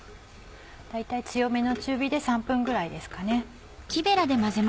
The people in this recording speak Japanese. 大体強めの中火で３分ぐらいですかね。